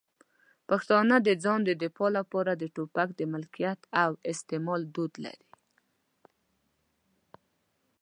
پښتانه د ځان د دفاع لپاره د ټوپک د ملکیت او استعمال دود لري.